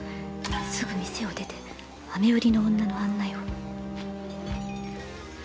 「すぐ店を出て飴売りの女の案内を」